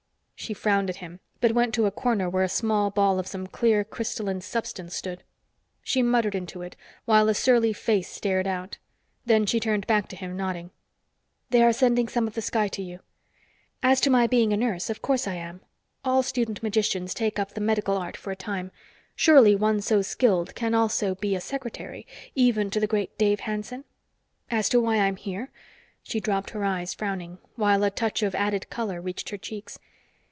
She frowned at him, but went to a corner where a small ball of some clear crystalline substance stood. She muttered into it, while a surly face stared out. Then she turned back to him, nodding. "They are sending some of the sky to you. As to my being a nurse, of course I am. All student magicians take up the Medical Art for a time. Surely one so skilled can also be a secretary, even to the great Dave Hanson? As to why I'm here " She dropped her eyes, frowning, while a touch of added color reached her cheeks.